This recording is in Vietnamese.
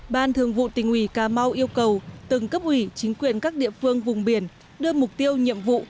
ban thường vụ tỉnh ủy cà mau yêu cầu từng cấp ủy chính quyền các địa phương vùng biển đưa mục tiêu nhiệm vụ